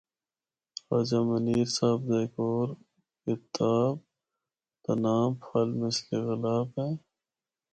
راجہ منیر صاحب دا ہک اور کتاب دا ناں ’پھل مثل گلاب‘ ہے۔